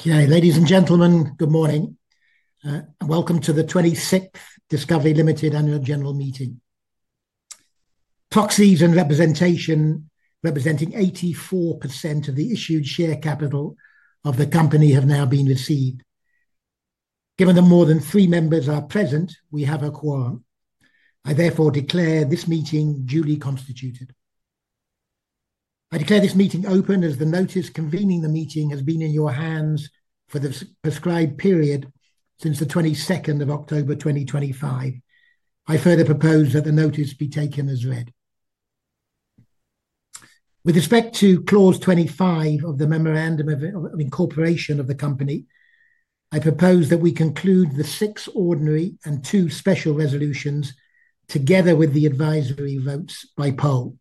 Okay, ladies and gentlemen, good morning. Welcome to the 26th Discovery Limited Annual General Meeting. Proxies and representation, representing 84% of the issued share capital of the company, have now been received. Given that more than three members are present, we have a quorum. I therefore declare this meeting duly constituted. I declare this meeting open as the notice convening the meeting has been in your hands for the prescribed period since the 22nd of October 2025. I further propose that the notice be taken as read. With respect to clause 25 of the memorandum of incorporation of the company, I propose that we conclude the six ordinary and two special resolutions together with the advisory votes by poll.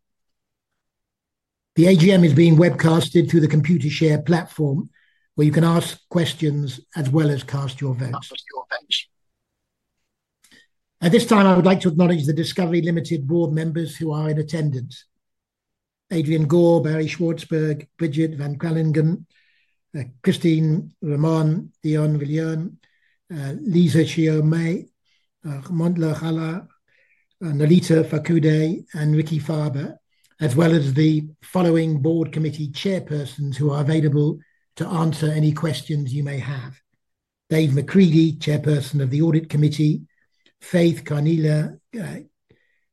The AGM is being webcast through the Computershare platform, where you can ask questions as well as cast your votes. At this time, I would like to acknowledge the Discovery Limited board members who are in attendance: Adrian Gore, Barry Swartzberg, Bridget van Kralingen, Christine Ramon, Deon Viljoen, Lisa Chiume, Monhla Hlahla, Nolitha Fakude, and Richard Farber, as well as the following board committee chairpersons who are available to answer any questions you may have: David Macready, chairperson of the Audit Committee; Faith Khanyile,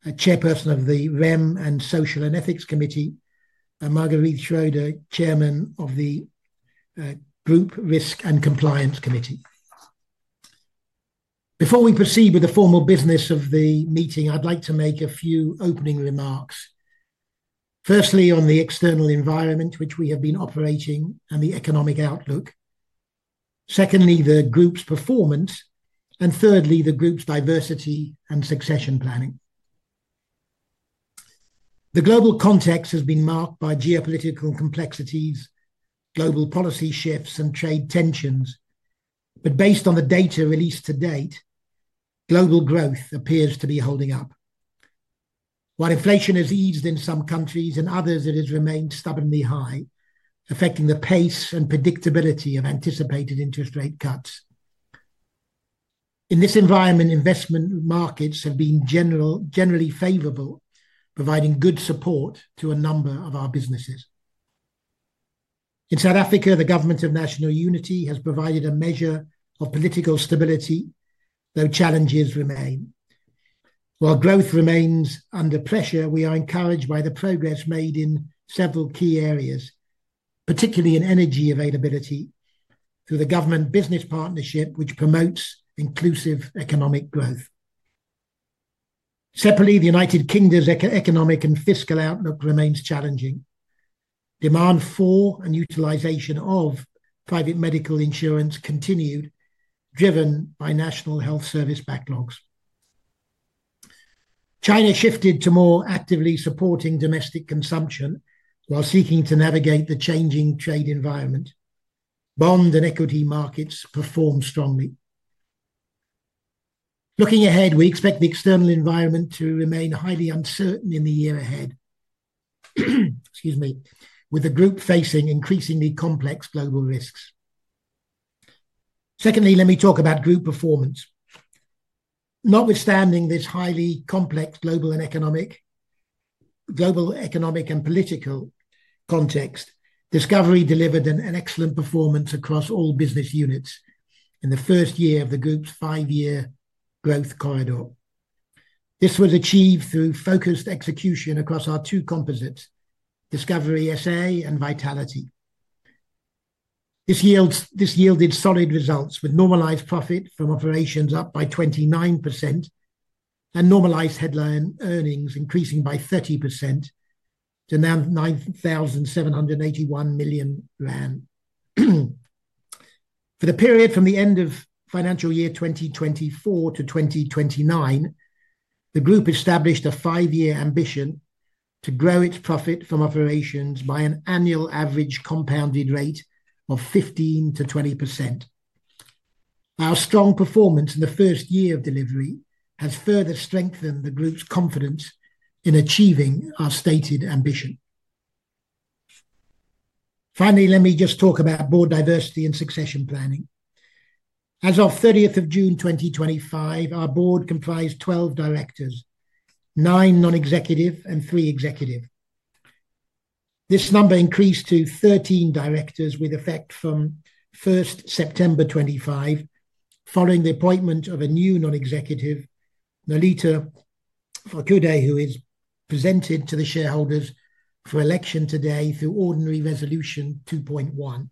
chairperson of the REM and Social and Ethics Committee; and Marquerithe Schreuder, chairperson of the Group Risk and Compliance Committee. Before we proceed with the formal business of the meeting, I'd like to make a few opening remarks. Firstly, on the external environment, which we have been operating, and the economic outlook. Secondly, the group's performance. Thirdly, the group's diversity and succession planning. The global context has been marked by geopolitical complexities, global policy shifts, and trade tensions. Based on the data released to date, global growth appears to be holding up. While inflation has eased in some countries, in others it has remained stubbornly high, affecting the pace and predictability of anticipated interest rate cuts. In this environment, investment markets have been generally favorable, providing good support to a number of our businesses. In South Africa, the government of national unity has provided a measure of political stability, though challenges remain. While growth remains under pressure, we are encouraged by the progress made in several key areas, particularly in energy availability through the government-business partnership, which promotes inclusive economic growth. Separately, the U.K.'s economic and fiscal outlook remains challenging. Demand for and utilization of private medical insurance continued, driven by national health service backlogs. China shifted to more actively supporting domestic consumption while seeking to navigate the changing trade environment. Bond and equity markets perform strongly. Looking ahead, we expect the external environment to remain highly uncertain in the year ahead, with the group facing increasingly complex global risks. Secondly, let me talk about group performance. Notwithstanding this highly complex global and economic and political context, Discovery delivered an excellent performance across all business units in the first year of the group's five-year growth corridor. This was achieved through focused execution across our two composites, Discovery SA and Vitality. This yielded solid results, with normalized profit from operations up by 29% and normalized headline earnings increasing by 30% to 9,781 million rand. For the period from the end of financial year 2024-2029, the group established a five-year ambition to grow its profit from operations by an annual average compounded rate of 15%-20%. Our strong performance in the first year of delivery has further strengthened the group's confidence in achieving our stated ambition. Finally, let me just talk about board diversity and succession planning. As of 30th June 2025, our board comprised 12 directors, nine non-executive and three executive. This number increased to 13 directors with effect from 1st September 2025, following the appointment of a new non-executive, Nolitha Fakude, who is presented to the shareholders for election today through Ordinary Resolution 2.1.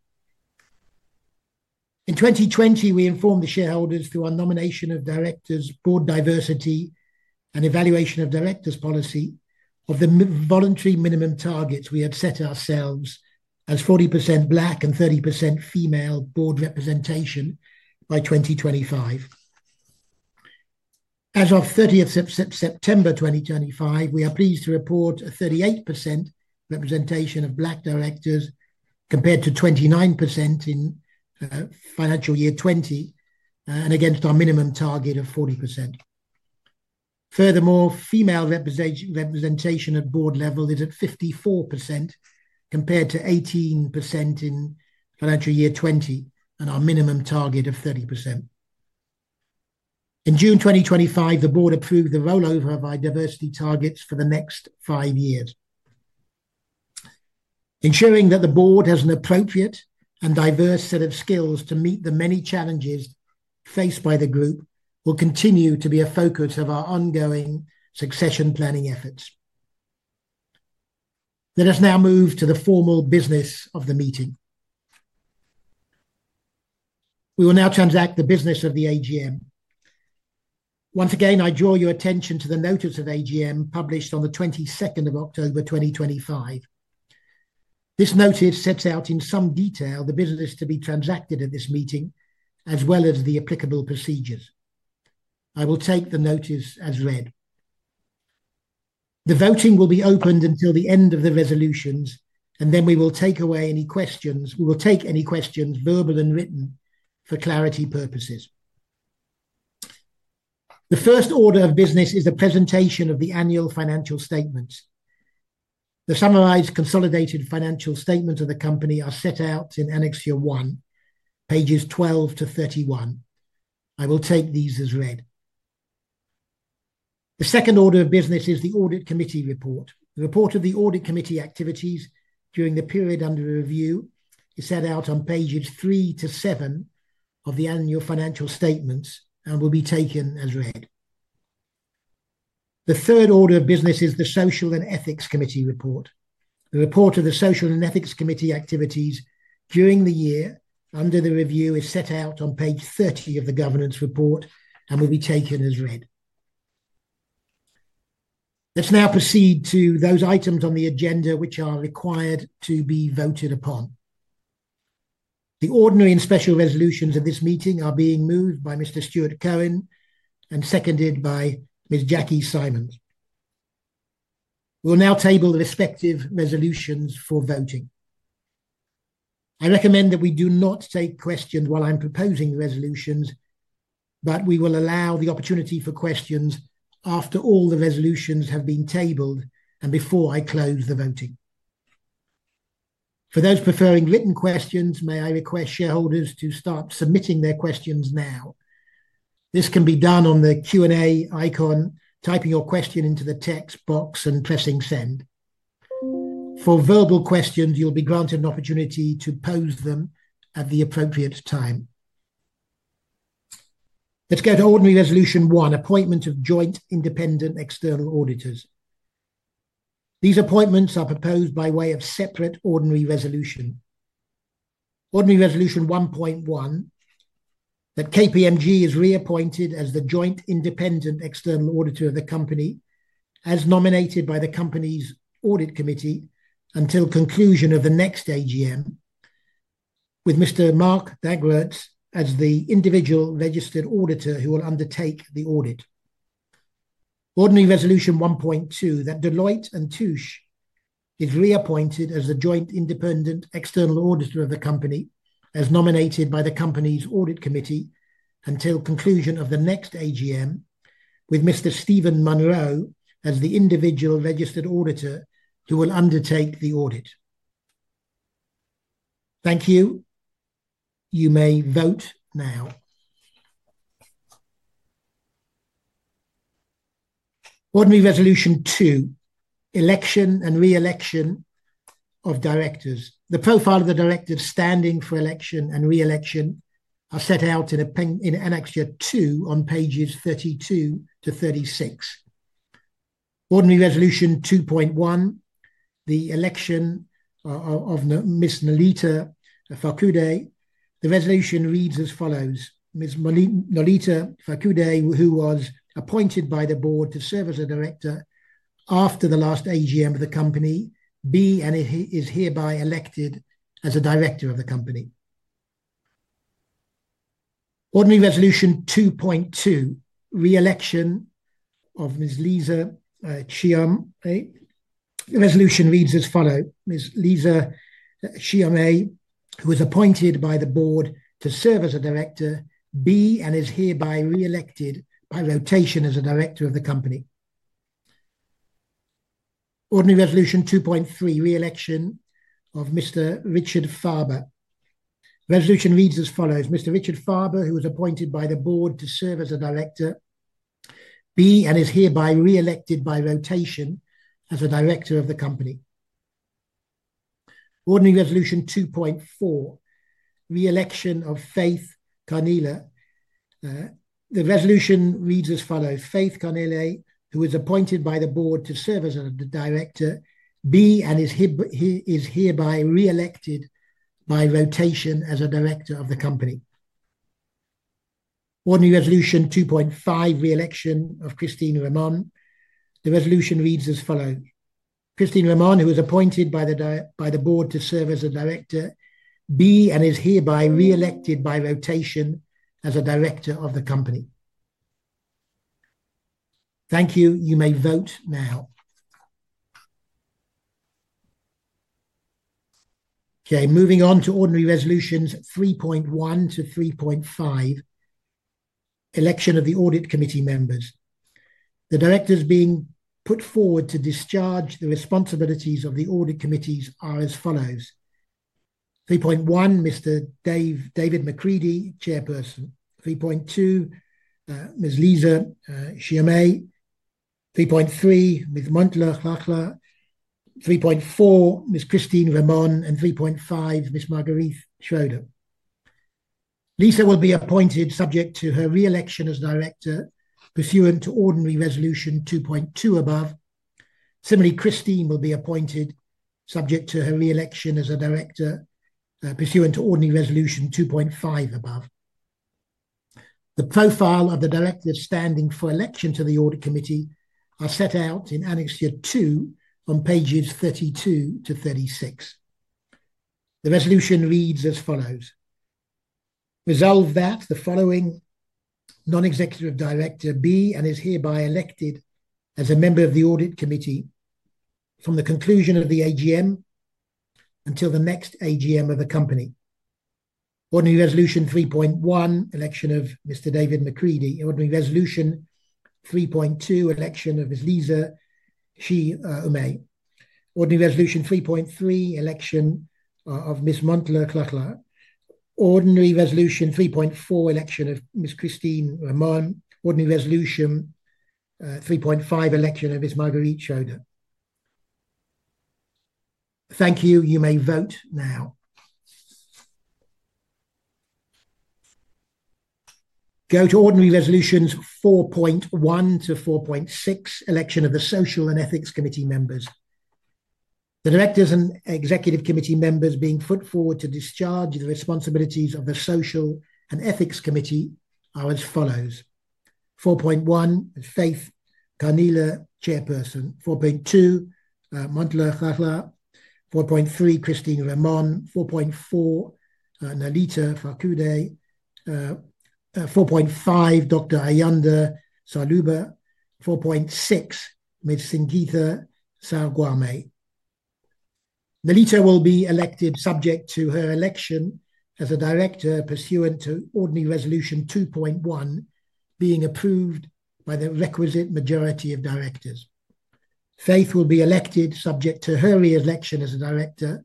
In 2020, we informed the shareholders through our nomination of directors, board diversity, and evaluation of directors policy of the voluntary minimum targets we had set ourselves as 40% Black and 30% female board representation by 2025. As of 30th September 2025, we are pleased to report a 38% representation of Black directors compared to 29% in financial year 2020 and against our minimum target of 40%. Furthermore, female representation at board level is at 54% compared to 18% in financial year 2020 and our minimum target of 30%. In June 2025, the Board approved the rollover of our diversity targets for the next five years. Ensuring that the Board has an appropriate and diverse set of skills to meet the many challenges faced by the group will continue to be a focus of our ongoing succession planning efforts. Let us now move to the formal business of the meeting. We will now transact the business of the AGM. Once again, I draw your attention to the notice of AGM published on the 22nd of October 2025. This notice sets out in some detail the business to be transacted at this meeting, as well as the applicable procedures. I will take the notice as read. The voting will be opened until the end of the resolutions, and then we will take away any questions. We will take any questions, verbal and written, for clarity purposes. The first order of business is the presentation of the annual financial statements. The summarized consolidated financial statements of the company are set out in Annex one, pages 12- 31. I will take these as read. The second order of business is the audit committee report. The report of the audit committee activities during the period under review is set out on pages three to seven of the annual financial statements and will be taken as read. The third order of business is the social and ethics committee report. The report of the social and ethics committee activities during the year under the review is set out on page 30 of the governance report and will be taken as read. Let's now proceed to those items on the agenda which are required to be voted upon. The ordinary and special resolutions of this meeting are being moved by Mr. Stuart Cohen and seconded by Ms. Jackie Simons. We will now table the respective resolutions for voting. I recommend that we do not take questions while I'm proposing the resolutions, but we will allow the opportunity for questions after all the resolutions have been tabled and before I close the voting. For those preferring written questions, may I request shareholders to start submitting their questions now? This can be done on the Q&A icon, typing your question into the text box and pressing send. For verbal questions, you'll be granted an opportunity to pose them at the appropriate time. Let's go to Ordinary Resolution one, appointment of joint independent external auditors. These appointments are proposed by way of separate Ordinary Resolution. Ordinary Resolution 1.1, that KPMG is reappointed as the joint independent external auditor of the company, as nominated by the company's audit committee until conclusion of the next AGM, with Mr. Mark Daggert as the individual registered auditor who will undertake the audit. Ordinary Resolution 1.2, that Deloitte & Touche is reappointed as the joint independent external auditor of the company, as nominated by the company's audit committee until conclusion of the next AGM, with Mr. Stephen Munroe as the individual registered auditor who will undertake the audit. Thank you. You may vote now. Ordinary Resolution two, election and reelection of directors. The profile of the directors standing for election and reelection are set out in Annex two on pages 32 -36. Ordinary resolution 2.1, the election of Ms. Nolitha Fakude. The resolution reads as follows: Ms. Nolitha Fakude, who was appointed by the board to serve as a director after the last AGM of the company, is hereby elected as a director of the company. Ordinary Resolution 2.2, reelection of Ms. Lisa Chiume. The resolution reads as follows: Ms. Lisa Chiume, who was appointed by the board to serve as a director, is hereby reelected by rotation as a director of the company. Ordinary Resolution 2.3, reelection of Mr. Richard Farber. The resolution reads as follows: Mr. Richard Farber, who was appointed by the board to serve as a director, is hereby reelected by rotation as a director of the company. Ordinary Resolution 2.4, reelection of Faith Khanyile. The resolution reads as follows: Faith Khanyile, who was appointed by the board to serve as a director, is hereby reelected by rotation as a director of the company. Ordinary Resolution 2.5, reelection of Christine Ramon. The resolution reads as follows: Christine Ramon, who was appointed by the board to serve as a director, is hereby reelected by rotation as a director of the company. Thank you. You may vote now. Okay, moving on to Ordinary Resolutions 3.1 - 3.5, election of the audit committee members. The directors being put forward to discharge the responsibilities of the audit committees are as follows: 3.1, Mr. David Macready, Chairperson; 3.2, Ms. Lisa Chiume; 3.3, Ms. Munroe; 3.4, Ms. Christine Ramon; and 3.5, Ms. Marquerithe Schreuder. Lisa will be appointed subject to her reelection as director, pursuant to Ordinary Resolution 2.2 above. Similarly, Christine will be appointed subject to her reelection as a director, pursuant to Ordinary Resolution 2.5 above. The profile of the directors standing for election to the audit committee are set out in Annex two on pages 32-36. The resolution reads as follows: Resolve that the following non-executive director, B, is hereby elected as a member of the audit committee from the conclusion of the AGM until the next AGM of the company. Ordinary Resolution 3.1, election of Mr. David Macready. Ordinary Resolution 3.2, election of Ms. Lisa Chiume. Ordinary Resolution 3.3, election of Ms. Munroe. Ordinary Resolution 3.4, election of Ms. Christine Ramon. Ordinary Resolution 3.5, election of Ms. Marquerithe Schreuder. Thank you. You may vote now. Go to Ordinary Resolutions 4.1 - 4.6, election of the social and ethics committee members. The directors and executive committee members being put forward to discharge the responsibilities of the social and ethics committee are as follows: 4.1, Faith Khanyile, Chairperson. 4.2, Munroe. 4.3, Christine Ramon. 4.4, Nalita Fakoude. 4.5, Dr. Ayanda Salube. 4.6, Ms. Sangeeta Sargwame. Nalita will be elected subject to her election as a director, pursuant to Ordinary Resolution 2.1, being approved by the requisite majority of directors. Faith will be elected subject to her reelection as a director,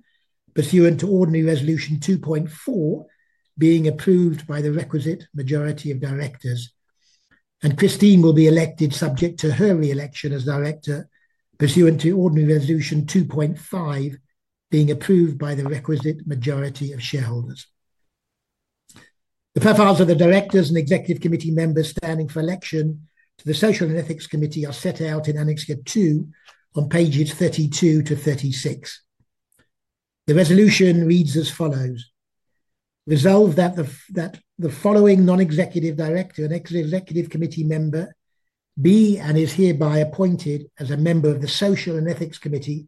pursuant to Ordinary Resolution 2.4, being approved by the requisite majority of directors. Christine will be elected subject to her reelection as director, pursuant to Ordinary Resolution 2.5, being approved by the requisite majority of shareholders. The profiles of the directors and executive committee members standing for election to the social and ethics committee are set out in Annex two on pages 32-36. The resolution reads as follows: Resolve that the following non-executive director and executive committee member, B, is hereby appointed as a member of the social and ethics committee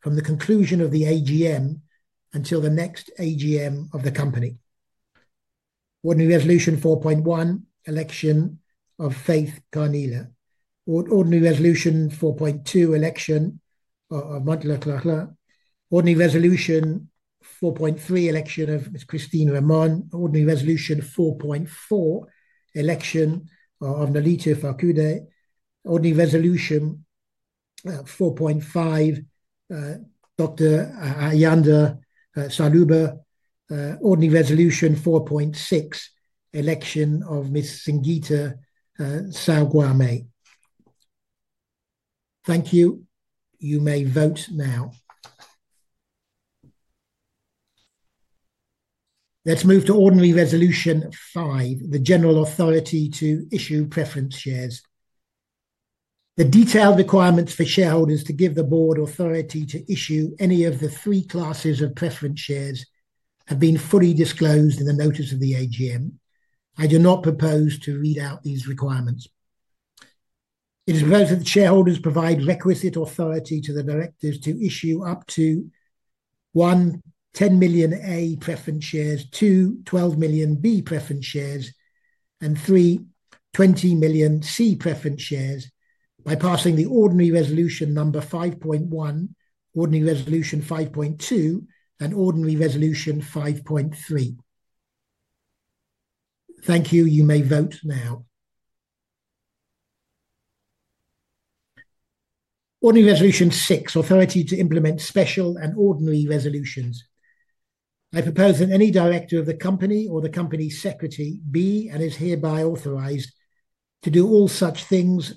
from the conclusion of the AGM until the next AGM of the company. Ordinary Resolution 4.1, election of Faith Khanyile. Ordinary Resolution 4.2, election of Munroe. Ordinary Resolution 4.3, election of Ms. Christine Ramon. Ordinary Rresolution 4.4, election of Nalita Fakoude. Ordinary Rresolution 4.5, Dr. Ayanda Salube. Ordinary Resolution 4.6, election of Ms. Sangeeta Sargwame. Thank you. You may vote now. Let's move to Ordinary Resolution five, the general authority to issue preference shares. The detailed requirements for shareholders to give the board authority to issue any of the three classes of preference shares have been fully disclosed in the notice of the AGM. I do not propose to read out these requirements. It is proposed that the shareholders provide requisite authority to the directors to issue up to: 1) 10 million A preference shares, 2) 12 million B preference shares, and 3) 20 million C preference shares, by passing the Ordinary Resolution number 5.1, Ordinary Resolution 5.2, and Ordinary Resolution 5.3. Thank you. You may vote now. Ordinary Resolution six, authority to implement special and Ordinary Resolutions. I propose that any director of the company or the company secretary B is hereby authorized to do all such things,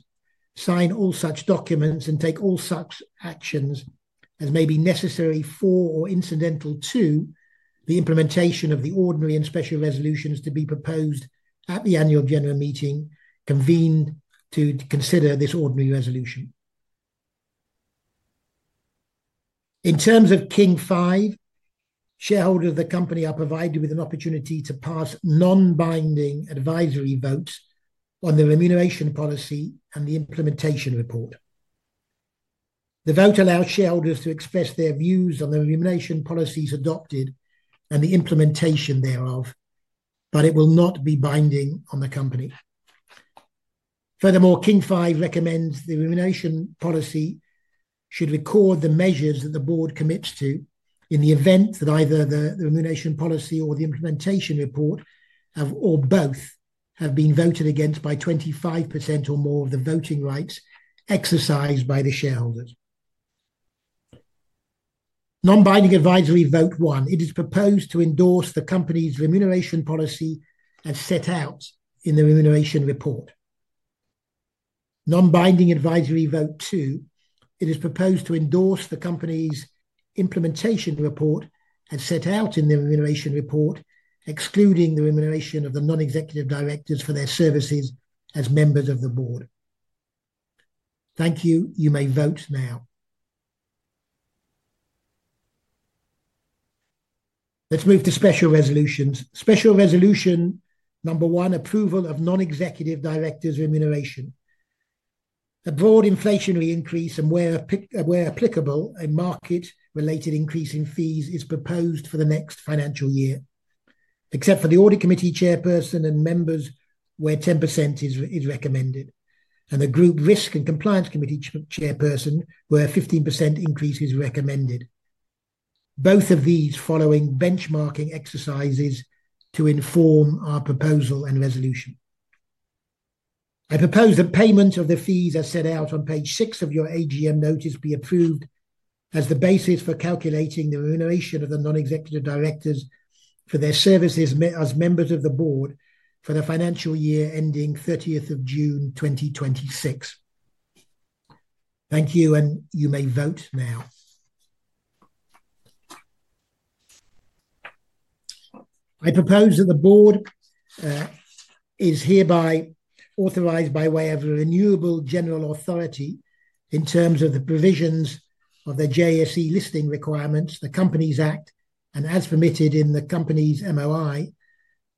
sign all such documents, and take all such actions as may be necessary for or incidental to the implementation of the ordinary and special resolutions to be proposed at the annual general meeting convened to consider this Ordinary Resolution. In terms of King V, shareholders of the company are provided with an opportunity to pass non-binding advisory votes on the remuneration policy and the implementation report. The vote allows shareholders to express their views on the remuneration policies adopted and the implementation thereof, but it will not be binding on the company. Furthermore, King V recommends the remuneration policy should record the measures that the board commits to in the event that either the remuneration policy or the implementation report or both have been voted against by 25% or more of the voting rights exercised by the shareholders. Non-binding advisory vote ontwo, it is proposed to endorse the company's remuneration policy as set out in the remuneration report. Non-binding advisory vote 2, it is proposed to endorse the company's implementation report as set out in the remuneration report, excluding the remuneration of the non-executive directors for their services as members of the board. Thank you. You may vote now. Let's move to special resolutions. Special resolution number one, approval of non-executive directors' remuneration. A broad inflationary increase and, where applicable, a market-related increase in fees is proposed for the next financial year, except for the audit committee chairperson and members where 10% is recommended, and the group risk and compliance committee chairperson where a 15% increase is recommended. Both of these following benchmarking exercises to inform our proposal and resolution. I propose that payment of the fees as set out on page six of your AGM notice be approved as the basis for calculating the remuneration of the non-executive directors for their services as members of the board for the financial year ending 30th of June 2026. Thank you, and you may vote now. I propose that the board is hereby authorized by way of a renewable general authority in terms of the provisions of the JSE listing requirements, the Companies Act, and as permitted in the company's MOI,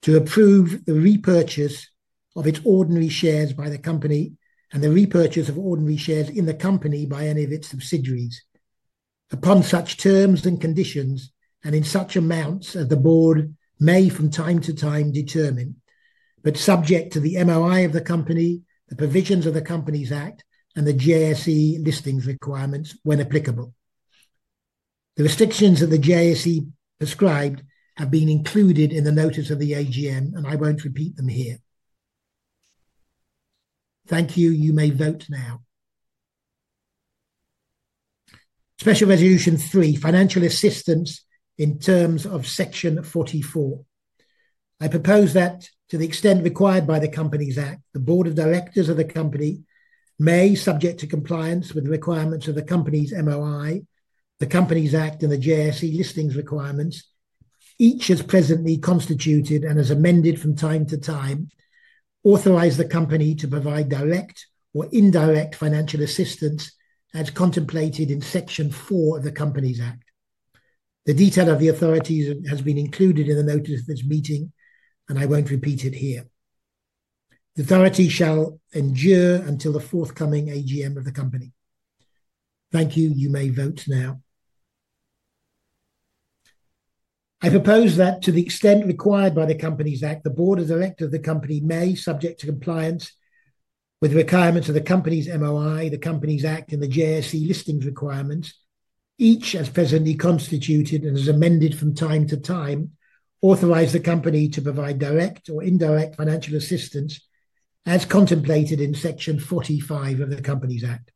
to approve the repurchase of its ordinary shares by the company and the repurchase of ordinary shares in the company by any of its subsidiaries upon such terms and conditions and in such amounts as the board may from time to time determine, but subject to the MOI of the company, the provisions of the Companies Act, and the JSE listings requirements when applicable. The restrictions that the JSE prescribed have been included in the notice of the AGM, and I won't repeat them here. Thank you. You may vote now. Special resolution three, financial assistance in terms of section 44. I propose that to the extent required by the Companies Act, the board of directors of the company may, subject to compliance with the requirements of the company's MOI, the Companies Act, and the JSE listings requirements, each as presently constituted and as amended from time to time, authorize the company to provide direct or indirect financial assistance as contemplated in section four of the Companies Act. The detail of the authorities has been included in the notice of this meeting, and I won't repeat it here. The authority shall endure until the forthcoming AGM of the company. Thank you. You may vote now. I propose that to the extent required by the Companies Act, the board of directors of the company may, subject to compliance with the requirements of the company's MOI, the Companies Act, and the JSE listings requirements, each as presently constituted and as amended from time to time, authorize the company to provide direct or indirect financial assistance as contemplated in section 45 of the Companies Act.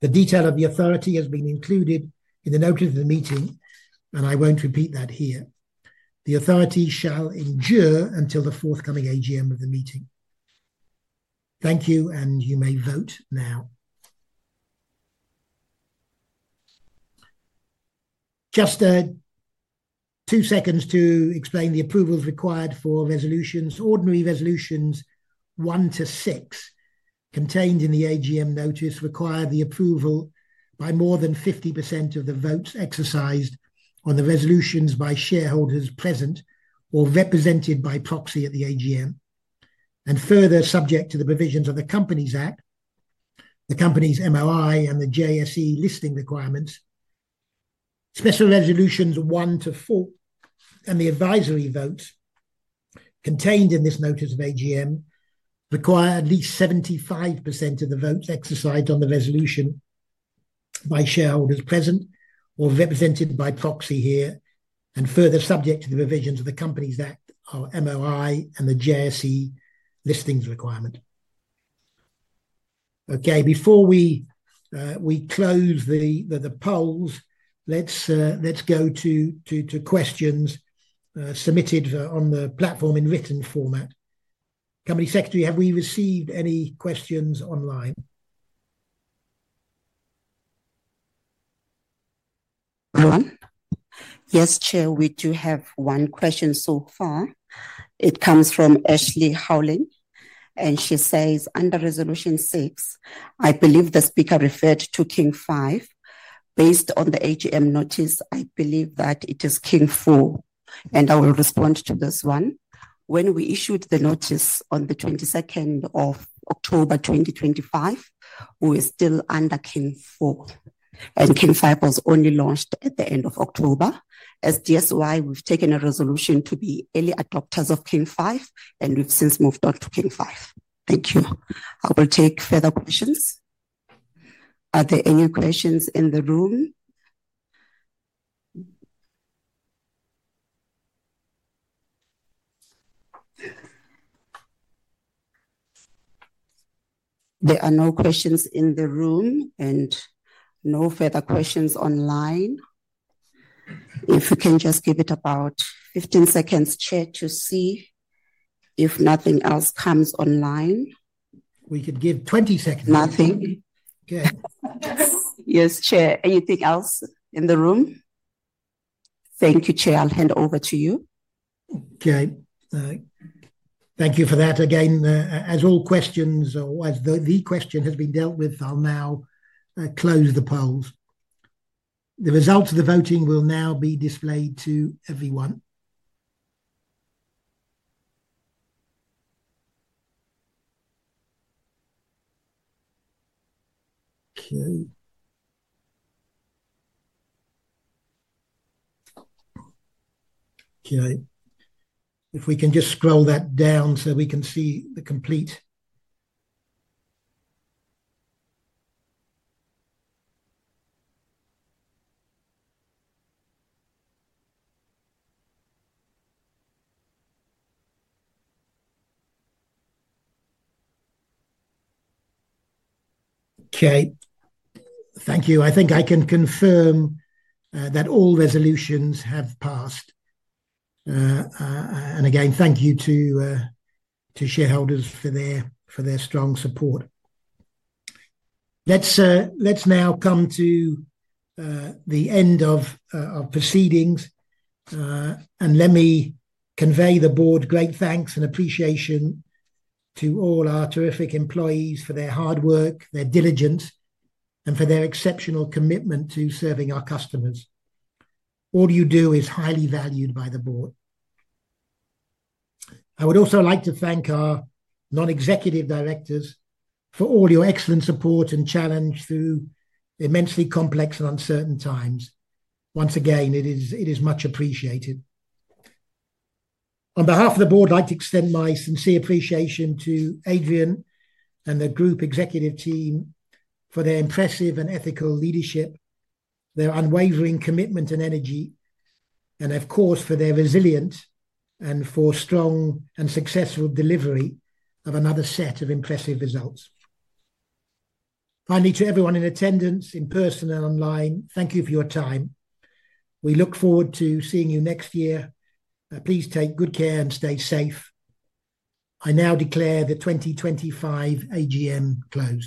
The detail of the authority has been included in the notice of the meeting, and I won't repeat that here. The authority shall endure until the forthcoming AGM of the meeting. Thank you, and you may vote now. Just two seconds to explain, the approvals required for Ordinary Resolutions one to 6 contained in the AGM notice require the approval by more than 50% of the votes exercised on the resolutions by shareholders present or represented by proxy at the AGM, and further subject to the provisions of the Companies Act, the company's MOI, and the JSE listing requirements. Special resolutions 1 to 4 and the advisory votes contained in this notice of AGM require at least 75% of the votes exercised on the resolution by shareholders present or represented by proxy here, and further subject to the provisions of the Companies Act, MOI, and the JSE listings requirement. Okay, before we close the polls, let's go to questions submitted on the platform in written format. Company Secretary, have we received any questions online? Yes, Chair, we do have one question so far. It comes from Ashley Howlin, and she says, "Under resolution six, I believe the speaker referred to King V. Based on the AGM notice, I believe that it is King IV, and I will respond to this one. When we issued the notice on the 22nd of October 2025, we were still under King IV, and King V was only launched at the end of October. As DSY, we've taken a resolution to be early adopters of King V, and we've since moved on to King V. Thank you. I will take further questions. Are there any questions in the room? There are no questions in the room, and no further questions online. If we can just give it about 15 seconds, Chair, to see if nothing else comes online. We could give 20 seconds. Nothing. Okay. Yes, Chair. Anything else in the room? Thank you, Chair. I'll hand over to you. Okay. Thank you for that. Again, as all questions or as the question has been dealt with, I'll now close the polls. The results of the voting will now be displayed to everyone. Okay. Okay. If we can just scroll that down so we can see the complete. Okay. Thank you. I think I can confirm that all resolutions have passed. Again, thank you to shareholders for their strong support. Let's now come to the end of proceedings, and let me convey the board's great thanks and appreciation to all our terrific employees for their hard work, their diligence, and for their exceptional commitment to serving our customers. All you do is highly valued by the board. I would also like to thank our non-executive directors for all your excellent support and challenge through immensely complex and uncertain times. Once again, it is much appreciated. On behalf of the board, I'd like to extend my sincere appreciation to Adrian and the group executive team for their impressive and ethical leadership, their unwavering commitment and energy, and of course, for their resilience and for strong and successful delivery of another set of impressive results. Finally, to everyone in attendance, in person and online, thank you for your time. We look forward to seeing you next year. Please take good care and stay safe. I now declare the 2025 AGM closed.